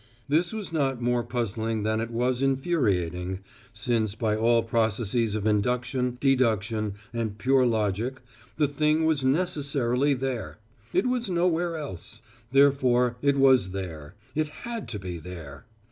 This was not more puzzling than it was infuriating, since by all processes of induction, deduction, and pure logic, the thing was necessarily there. It was nowhere else. Therefore it was there. It had to be there!